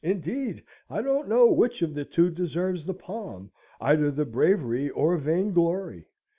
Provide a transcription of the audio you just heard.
Indeed, I don't know which of the two deserves the palm, either for bravery or vainglory.